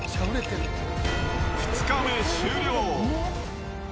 ２日目、終了。